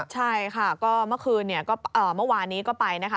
ใช่ค่ะก็เมื่อวานนี้ก็ไปนะครับ